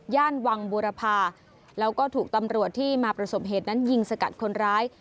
วังบูรพาแล้วก็ถูกตำรวจที่มาประสบเหตุนั้นยิงสกัดคนร้าย